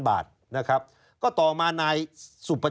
ชีวิตกระมวลวิสิทธิ์สุภาณฑ์